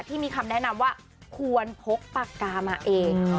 ที่มีคำแนะนำว่าควรพกปากกามาเอง